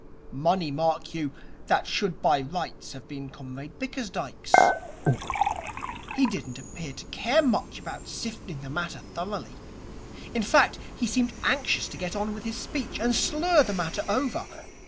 Money, mark you, that should by rights have been Comrade Bickersdyke's. He didn't appear to care much about sifting the matter thoroughly. In fact, he seemed anxious to get on with his speech, and slur the matter over.